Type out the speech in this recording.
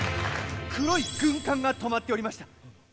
黒い軍艦が泊まっておりました。